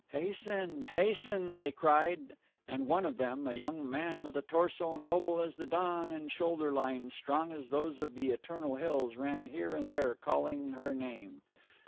"Hasten, hasten!" they cried; and one of them, a young man with a torso noble as the dawn and shoulder lines strong as those of the eternal hills, ran here and there calling her name.